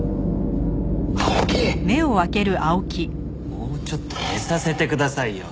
もうちょっと寝させてくださいよ。